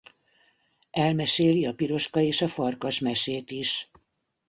Elmeséli a Piroska és a farkas mesét is.